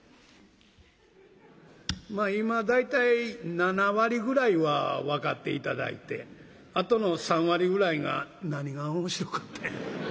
今大体７割ぐらいは分かって頂いてあとの３割ぐらいが「何が面白かったんや？」